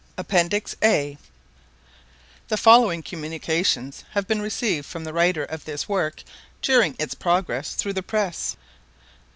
APPENDIX [The following Communications have been received from the Writer of this Work during its progress through the Press.